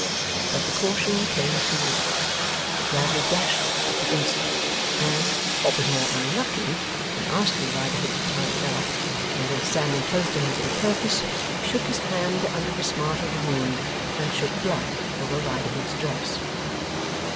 But, the caution came too late, for Bradley gashed it at the instant. And, what was more unlucky, in asking Riderhood to tie it up, and in standing close to him for the purpose, he shook his hand under the smart of the wound, and shook blood over Riderhood's dress.